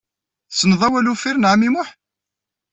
Tessneḍ awal uffir n ɛemmi Muḥ?